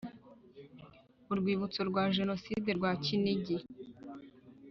Urwibutso rwa Jenoside rwa Kinigi